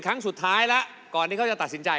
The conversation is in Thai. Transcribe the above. ครั้งสุดท้ายแล้วก่อนที่เขาจะตัดสินใจ